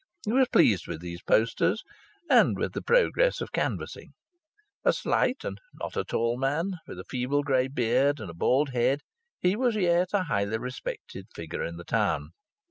He was pleased with these posters, and with the progress of canvassing. A slight and not a tall man, with a feeble grey beard and a bald head, he was yet a highly respected figure in the town.